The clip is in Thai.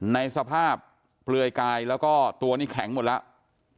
ในสภาพเปลือยกายแล้วก็ตัวนี้แข็งหมดแล้ว